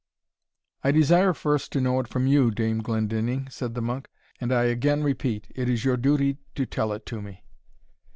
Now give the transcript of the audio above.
"I desire first to know it from you, Dame Glendinning," said the monk; "and I again repeat, it is your duty to tell it to me."